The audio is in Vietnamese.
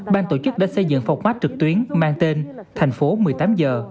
ban tổ chức đã xây dựng phòng mát trực tuyến mang tên thành phố một mươi tám h